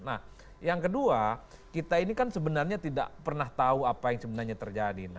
nah yang kedua kita ini kan sebenarnya tidak pernah tahu apa yang sebenarnya terjadi